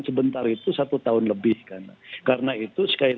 jadi terus ulang ulang dua tahun